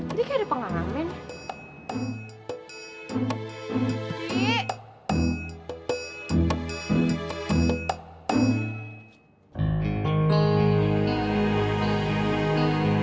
ini kayak ada pengamen